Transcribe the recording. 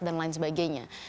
dan lain sebagainya